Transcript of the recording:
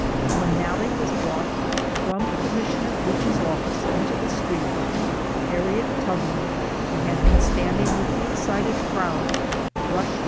When Nalle was brought from Commissioner Beach's office into the street, Harriet Tubman, who had been standing with the excited crowd, rushed t t02c